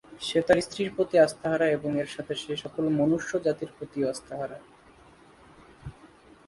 সে তার স্ত্রীর প্রতি আস্থা হারায় এবং এর সাথে সে সকল মনুষ্য জাতির প্রতিও আস্থা হারায়।